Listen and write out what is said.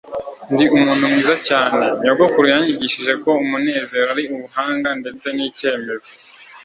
ndi umuntu mwiza cyane. nyogokuru yanyigishije ko umunezero ari ubuhanga ndetse n'icyemezo